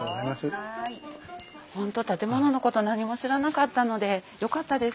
本当建物のこと何も知らなかったのでよかったです。